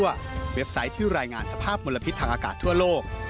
เว็บไซต์ที่รายงานสภาพมลพิษทางอากาศทั่วโลก